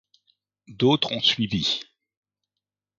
D'autres ont suivi.